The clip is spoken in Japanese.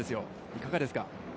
いかがですか。